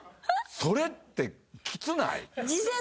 それってキツない？